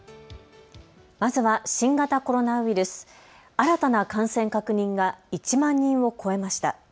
まずは新型コロナウイルス、新たな感染確認が１万人を超えました。